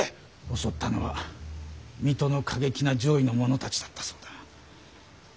襲ったのは水戸の過激な攘夷の者たちだったそうだ。